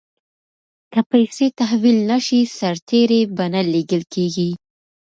که پیسې تحویل نه شي سرتیري به نه لیږل کیږي.